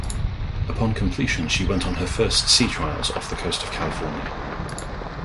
Upon completion she went on her first sea trials, off the coast of California.